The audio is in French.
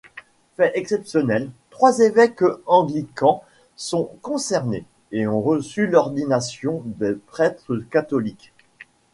Fait exceptionnel, trois évêques anglicans sont concernés et ont reçu l'ordination de prêtres catholiques.